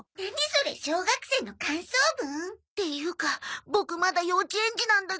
それ小学生の感想文？っていうかボクまだ幼稚園児なんだけど。